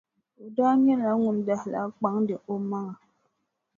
O daa nyɛla ŋun daa lahi kpaŋdi o maŋa pam.